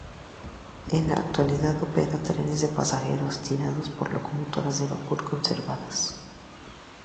En la actualidad opera trenes de pasajeros tirados por locomotoras de vapor conservadas.